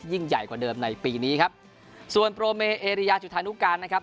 ยิ่งใหญ่กว่าเดิมในปีนี้ครับส่วนโปรเมเอเรียจุธานุการนะครับ